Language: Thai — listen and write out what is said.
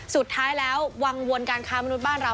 สุดท้ายแล้ววังวลการค้ามนุษย์บ้านเรา